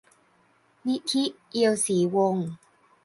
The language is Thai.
นิธิ เอียวศรีวงศ์